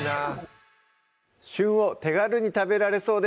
旬を手軽に食べられそうです